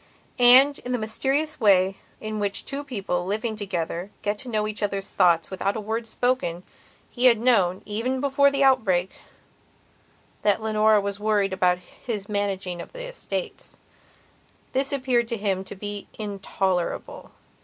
And, in the mysterious way in which two people, living together, get to know each other's thoughts without a word spoken, he had known, even before his outbreak, that Leonora was worrying about his managing of the estates. This appeared to him to be intolerable.